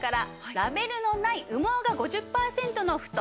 ラベルのない羽毛が５０パーセントの布団。